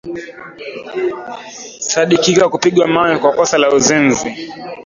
sadikika kupigwa mawe kwa kosa la uzinzi